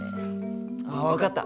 あっ分かった。